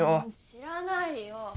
知らないよ。